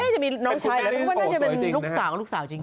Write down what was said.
จะมีน้องชายน่าจะเป็นลูกสาวจริง